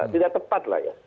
tidak tepat lah ya